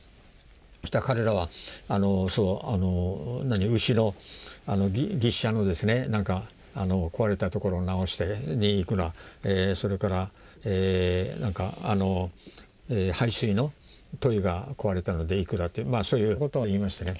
そうしたら彼らは牛の牛車の壊れた所を直していくらそれから排水の樋が壊れたのでいくらまあそういうことを言いましてね。